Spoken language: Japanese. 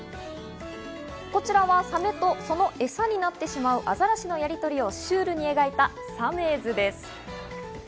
こちらはサメとその餌になってしまうアザラシのやりとりをシュールに描いた『サメーズ』です。